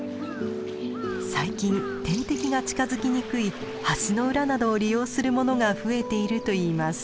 最近天敵が近づきにくい橋の裏などを利用するものが増えているといいます。